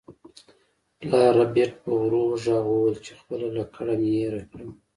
پلار ربیټ په ورو غږ وویل چې خپله لکړه مې هیره کړه